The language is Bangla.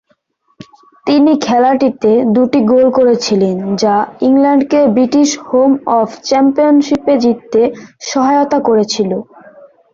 তিনি খেলাটিতে দুটি গোল করেছিলেন, যা ইংল্যান্ডকে ব্রিটিশ হোম অফ চ্যাম্পিয়নশিপে জিততে সহায়তা করেছিল।